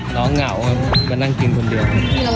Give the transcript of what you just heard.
น้องเหงามานั่งกินคนเดียว